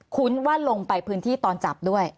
ุ้นว่าลงไปพื้นที่ตอนจับด้วย